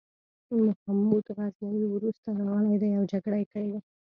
محمود غزنوي وروسته راغلی دی او جګړه یې کړې ده.